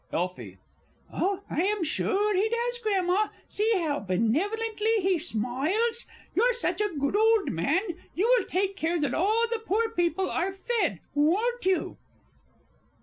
Elfie. Oh, I am sure he does, Grandma! See how benevolently he smiles. You're such a good old man, you will take care that all the poor people are fed, won't you?